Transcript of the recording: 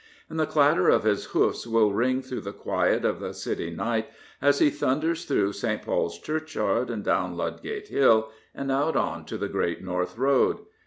And the clatter of his hoofs will ring through the quiet of the city night as he thunders through St. Paul's Churchyard and down Ludgate Hill and out on to the Great North Road.